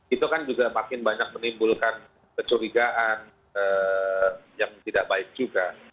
itu kan juga makin banyak menimbulkan kecurigaan yang tidak baik juga